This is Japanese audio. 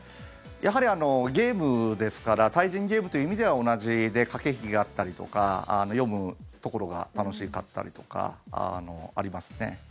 やはりゲームですから対人ゲームという意味では同じで駆け引きがあったりとか読むところが楽しかったりとかありますね。